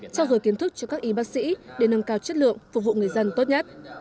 trao dồi kiến thức cho các y bác sĩ để nâng cao chất lượng phục vụ người dân tốt nhất